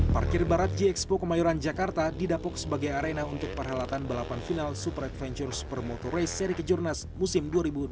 parkir barat gxpo kemayoran jakarta didapuk sebagai arena untuk perhelatan balapan final super adventure super motor race seri kejurnas musim dua ribu dua puluh